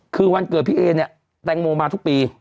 คือวันเกิดพี่เอเนี่ยแตงโมมาทุกปี